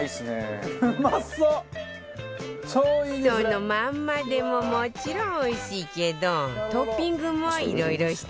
そのまんまでももちろんおいしいけどトッピングもいろいろしてみて